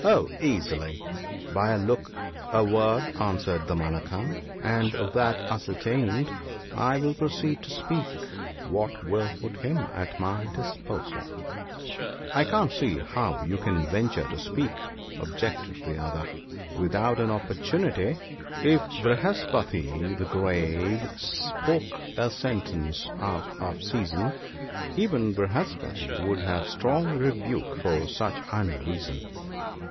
' Oh, easily ! by a look, a word/ answered Damanaka ;' and that ascertained, I will proceed to speak what will put him at my disposal.' ' I can't see how you can venture to speak/ objected the other, ' without an opportunity, — 64 THE BOOK OF GOOD COUNSELS. "If Vrihaspati, the Grave ( 56 ), Spoke a sentence out of season, Even Vrihaspati would have Strong rebuke for such unreason."